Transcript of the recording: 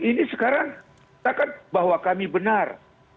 ini sekarang takkan bahwa kami benar